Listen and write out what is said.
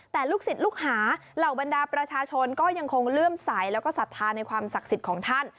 แต่ลูกศิษย์ลูกหาเหล่าบรรดาประชาชนก็ยังคงเลื่อมใสแล้วก็ศรัทธาในความศักดิ์สิทธิ์ของท่าน